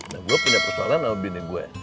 nah gua punya persoalan sama bini gua